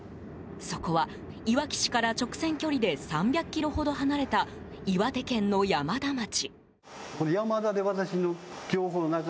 そこは、いわき市から直線距離で３００ｋｍほど離れた岩手県の山田町。